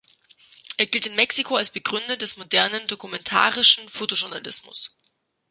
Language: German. Er gilt in Mexiko als Begründer des modernen dokumentarischen Fotojournalismus.